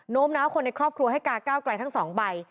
โน้มน้าวคนในครอบครัวให้กาเก้ากลายทั้ง๒ใบ